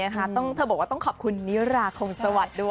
เธอบอกว่าต้องขอบคุณนิราคงสวัสดิ์ด้วย